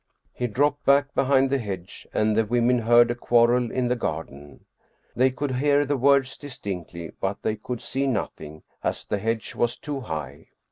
He dropped back behind the hedge and the women heard a quarrel in the garden. They could hear the words distinctly but they could see nothing, as the hedge was too high.